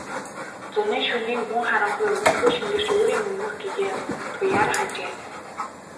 Зуны шөнийн гүн харанхуй удалгүй шингэрч үүрийн өмнөх гэгээ туяарах ажээ.